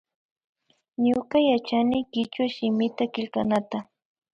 Ñuka yachani kichwa shimita killknata